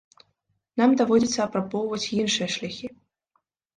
Нам даводзіцца апрабоўваць іншыя шляхі.